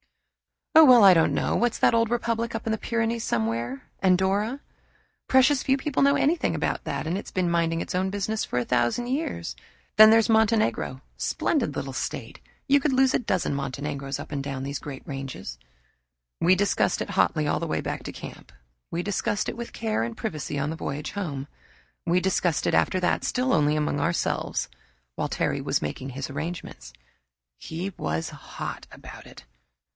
"Oh, well, I don't know. What's that old republic up in the Pyrenees somewhere Andorra? Precious few people know anything about that, and it's been minding its own business for a thousand years. Then there's Montenegro splendid little state you could lose a dozen Montenegroes up and down these great ranges." We discussed it hotly all the way back to camp. We discussed it with care and privacy on the voyage home. We discussed it after that, still only among ourselves, while Terry was making his arrangements. He was hot about it.